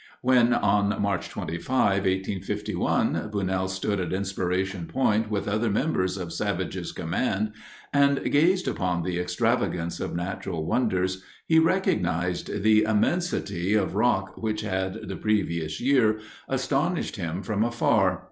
When, on March 25, 1851, Bunnell stood at Inspiration Point with other members of Savage's command and gazed upon the extravagance of natural wonders, he recognized "the immensity of rock" which had, the previous year, astonished him from afar.